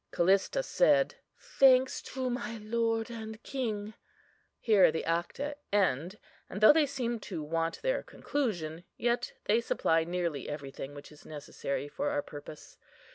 "CALLISTA said: Thanks to my Lord and King." Here the Acta end: and though they seem to want their conclusion, yet they supply nearly every thing which is necessary for our purpose.